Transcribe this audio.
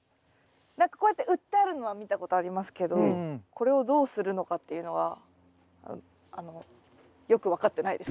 何かこうやって売ってあるのは見たことありますけどこれをどうするのかっていうのはあのよく分かってないです。